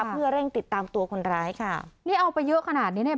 เพื่อเร่งติดตามตัวคนร้ายค่ะนี่เอาไปเยอะขนาดนี้เนี่ย